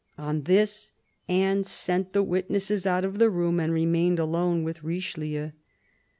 On this, Anne sent the witnesses out of the room and remained alone with Richelieu.